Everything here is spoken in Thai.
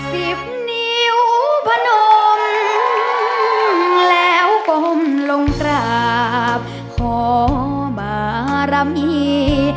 สิบนิ้วพนมแล้วก้มลงกราบขอบารมี